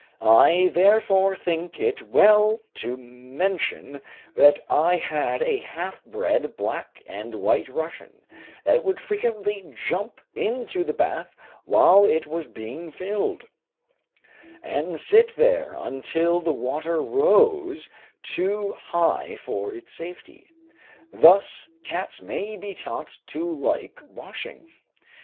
I therefore think it well to mention that I had a half bred black and white Russian, that would frequently jump into the bath while it was being filled, and sit there until the water rose too high for its safety. Thus cats may be taught to like washing.